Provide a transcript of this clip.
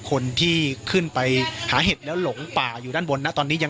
ปกติพี่สาวเราเนี่ยครับเปล่าครับเปล่าครับเปล่าครับเปล่าครับเปล่าครับเปล่าครับ